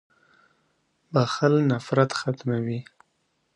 • بخښل نفرت ختموي.